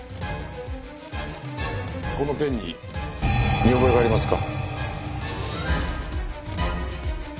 このペンに見覚えはありますか？